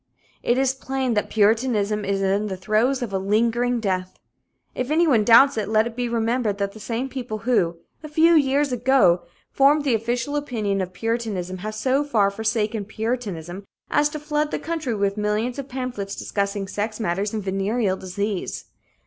It is plain that puritanism is in the throes of a lingering death. If anyone doubts it, let it be remembered that the same people who, a few years ago, formed the official opinion of puritanism have so far forsaken puritanism as to flood the country with millions of pamphlets discussing sex matters and venereal disease.